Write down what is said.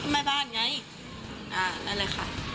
แม่บ้านไงนั่นแหละค่ะ